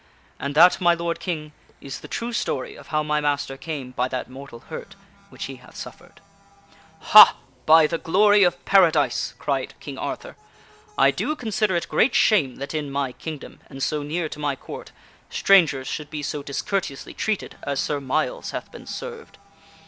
And that, my lord King, is the true story of how my master came by that mortal hurt which he hath suffered." " Ha ! By the glory of Paradise !" cried King Arthur, " I do consider it great shame that in my Kingdom and so near to my Court strangers should be so discourteously treated as Sir Myles hath been served.